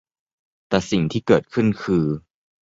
แต่สิ่งที่เกิดขึ้นคือ